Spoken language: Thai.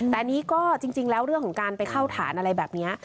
แต่อันนี้ก็จริงแล้วเรื่องของการไปเข้าฐานอะไรแบบนี้